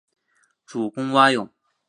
主攻蛙泳。